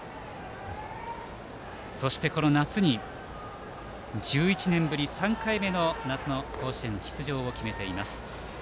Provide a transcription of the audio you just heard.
そしてこの夏に１１年ぶり３回目の甲子園出場を決めています。